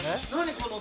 この。